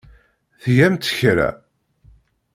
Tgamt kra?